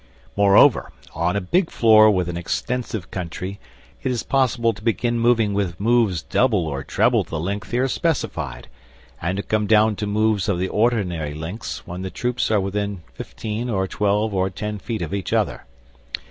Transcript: Moreover, on a big floor with an extensive country it is possible to begin moving with moves double or treble the length here specified, and to come down to moves of the ordinary lengths when the troops are within fifteen or twelve or ten feet of each other.